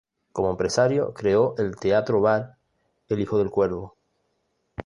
Como empresario, creó el teatro-bar "El hijo del cuervo".